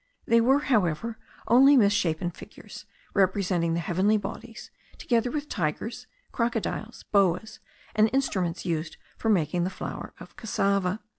They were however only misshapen figures, representing the heavenly bodies, together with tigers, crocodiles, boas, and instruments used for making the flour of cassava.